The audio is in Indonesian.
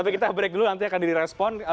tapi kita break dulu nanti akan di respon